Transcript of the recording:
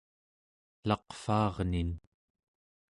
elaqvaarnin